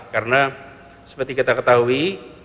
karena seperti kita ketahui